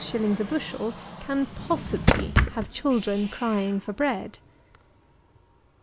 _ a bushel, can possibly have children crying for bread!